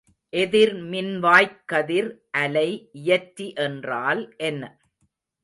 எதிர்மின்வாய்க்கதிர் அலை இயற்றி என்றால் என்ன?